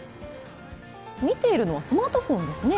見ているのはスマートフォンですね？